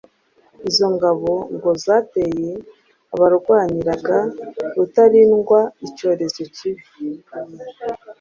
Izo ngabo ngo zateye abarwaniriraga Rutalindwa icyorezo kibi,